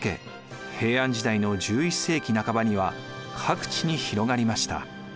平安時代の１１世紀半ばには各地に広がりました。